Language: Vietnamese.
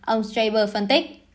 ông straber phân tích